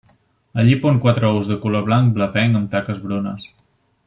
Allí pon quatre ous de color blanc blavenc amb taques brunes.